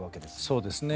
そうですね。